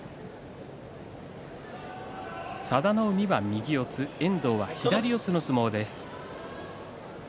佐田の海は右四つ遠藤は左四つの相撲です。